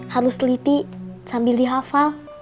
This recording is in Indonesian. harus teliti sambil dihafal